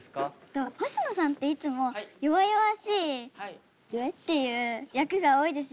ほしのさんっていつも弱々しいっていう役が多いですよね？